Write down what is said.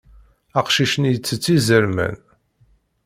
Aqcic-nni itett izerman.